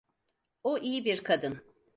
O iyi bir kadın.